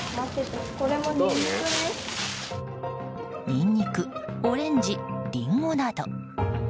ニンニク、オレンジリンゴなど。